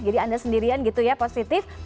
jadi anda sendirian gitu ya positif